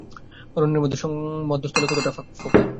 অরণ্যের মধ্যস্থলে কতকটা ফাঁকা।